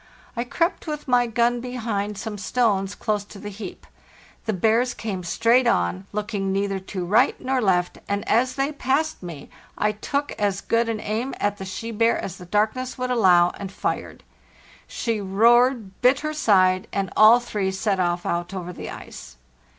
I crept with my gun behind some stones close to the heap. The bears came straight on, looking neither to right nor left, and as they passed me I took as good an aim at the she bear as the darkness would allow, and fired. She roared, bit her side, and all three set off out over the ice.